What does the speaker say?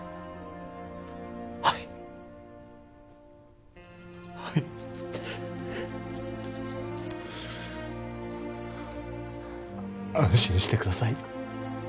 はいはい安心してください